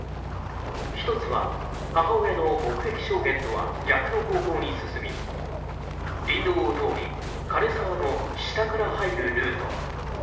１つは母親の目撃証言とは逆の方向に進み林道を通り枯れ沢の下から入るルート。